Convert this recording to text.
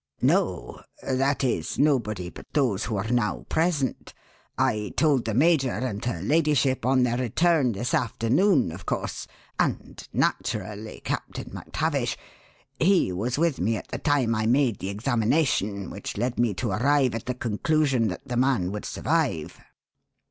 "No. That is, nobody but those who are now present. I told the major and her ladyship on their return this afternoon, of course. And naturally Captain MacTavish. He was with me at the time I made the examination, which led me to arrive at the conclusion that the man would survive."